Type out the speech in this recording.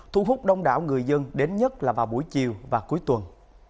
thu hút đông đảo người dân đến nhất là vào buổi chiều và cuối tuần